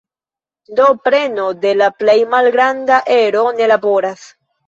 Do preno de la plej malgranda ero ne laboras.